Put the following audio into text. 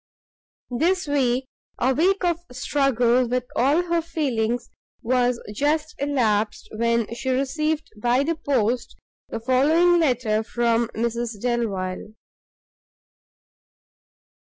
This week, a week of struggle with all her feelings, was just elapsed, when she received by the post the following letter from Mrs Delvile.